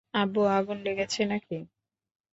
আব্বু, আগুন লেগেছে নাকি?